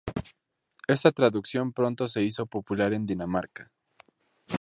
Esta traducción pronto se hizo popular en Dinamarca.